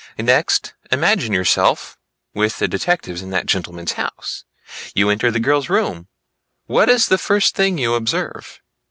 Next imagine yourself with the detectives in that gentleman's house. You enter the girl's room; what is the first thing you observe?